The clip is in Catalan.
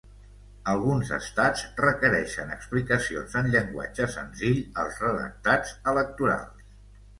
Alguns estats requereixen explicacions en llenguatge senzill als redactats electorals.